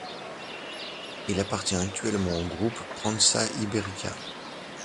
Il appartient actuellement au groupe Prensa Ibérica.